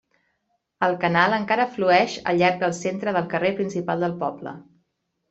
El canal encara flueix al llarg del centre del carrer principal del poble.